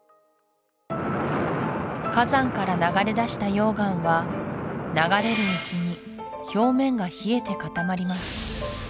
火山から流れだした溶岩は流れるうちに表面が冷えて固まります